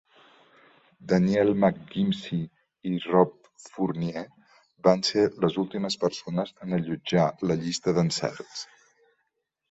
Danielle McGimsie i Rob Fournier van ser les últimes persones en allotjar la "llista d"encerts".